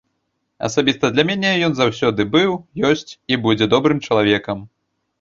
Асабіста для мяне ён заўсёды быў, ёсць і будзе добрым чалавекам.